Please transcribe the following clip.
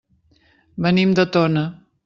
Venim de Tona.